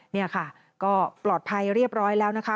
นี่ค่ะก็ปลอดภัยเรียบร้อยแล้วนะคะ